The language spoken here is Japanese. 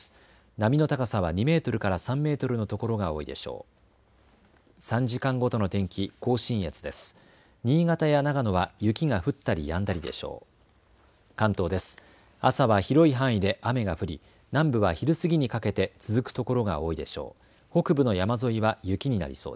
波の高さは２メートルから３メートルの所が多いでしょう。